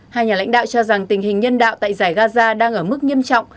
hai nhà lãnh đạo cho rằng tình hình nhân đạo tại giải gaza đang ở mức nghiêm trọng